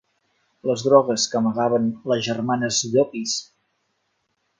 Les drogues que amagaven les germanes Llopis.